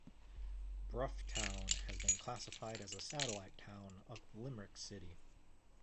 Bruff town has been classified as a satellite town of Limerick City.